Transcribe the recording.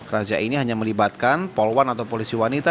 razia ini hanya melibatkan pol one atau polisi wanita